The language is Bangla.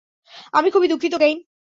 আমি খুবই দুঃখিত, কেইন।